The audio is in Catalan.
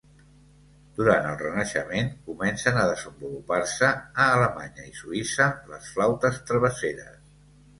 Durant el Renaixement comencen a desenvolupar-se, a Alemanya i Suïssa, les flautes travesseres.